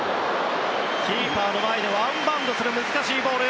キーパーの前でワンバウンドする難しいボール。